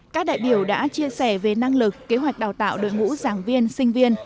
các đại biểu đã chia sẻ về năng lực kế hoạch đào tạo đội ngũ giảng viên sinh viên